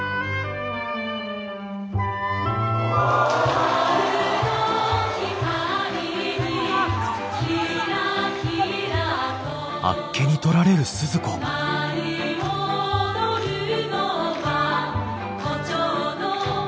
春の光にひらひらと舞い踊るのは胡蝶の夢